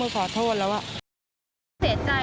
ขอโทษแล้วว่า